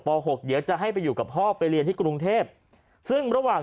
หกเดี๋ยวจะให้ไปอยู่กับพ่อไปเรียนที่กรุงเทพซึ่งระหว่าง